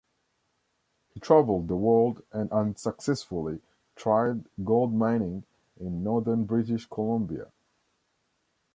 He travelled the world and unsuccessfully tried gold mining in northern British Columbia.